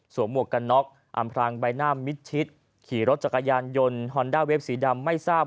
หมวกกันน็อกอำพรางใบหน้ามิดชิดขี่รถจักรยานยนต์ฮอนด้าเวฟสีดำไม่ทราบ